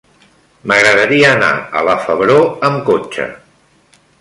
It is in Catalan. M'agradaria anar a la Febró amb cotxe.